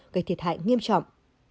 gây thiệt hại nghiêm trọng